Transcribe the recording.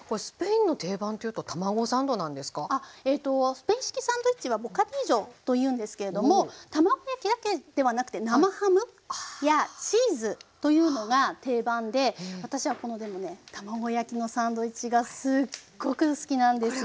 スペイン式サンドイッチはボカディージョというんですけれども卵焼きだけではなくて生ハムやチーズというのが定番で私はこのでもね卵焼きのサンドイッチがすっごく好きなんですよ。